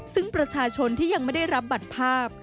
ซึ่งประชาชนที่ยังไม่ได้รับบัตรภาพ